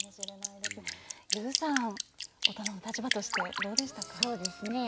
ＹＯＵさん、大人の立場としてどうでしたか？